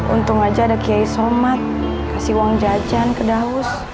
untung aja ada kiai somat kasih uang jajan ke daus